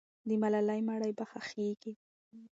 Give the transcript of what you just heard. د ملالۍ مړی به ښخېږي.